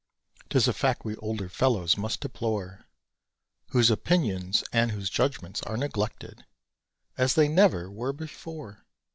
'Tis a fact we older fellows must deplore, Whose opinions and whose judgments are neglected, As they never were before.